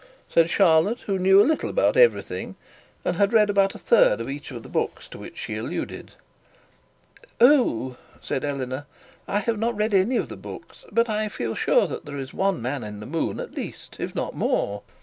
said Charlotte, who knew a little about everything, and had read about a third of each of the books to which she alluded. 'Oh!' said Eleanor; 'I have not read any of the books, but I feel sure that there is one man in the moon at least, if not more.'